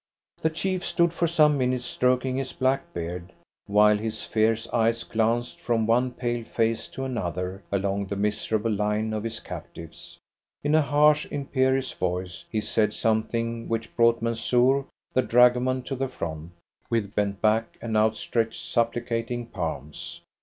The chief stood for some minutes, stroking his black beard, while his fierce eyes glanced from one pale face to another along the miserable line of his captives. In a harsh, imperious voice he said something which brought Mansoor, the dragoman, to the front, with bent back and outstretched supplicating palms.